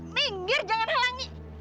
minggir jangan halangi